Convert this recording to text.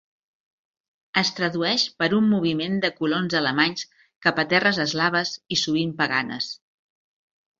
Es tradueix per un moviment de colons alemanys cap a terres eslaves i sovint paganes.